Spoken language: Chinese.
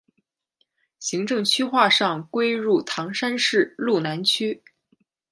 行政区划上归入唐山市路南区。